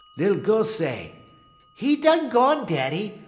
Lil gal say: "''E done gone, daddy.